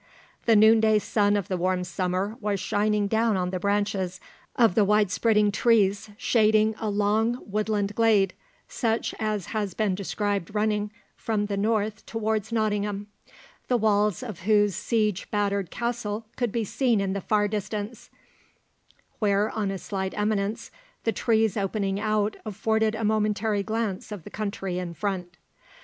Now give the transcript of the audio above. The noon day sun of the warm summer was shining down on the branches of the wide spreading trees shading a long woodland glade, such as has been described running from the north towards Nottingham, the walls of whose siege battered castle could be seen in the far distance, where on a slight eminence the trees opening out afforded a momentary glance of the country in front.